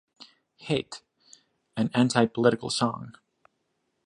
"Hate" - an anti-political song.